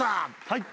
はい。